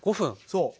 そう。